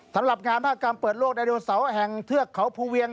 สำหรับงานภาคกรรมเปิดโลกไดโนเสาร์แห่งเทือกเขาภูเวียง